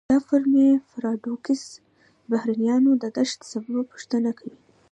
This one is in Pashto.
د فرمی پاراډوکس د بهرنیانو د نشت سبب پوښتنه کوي.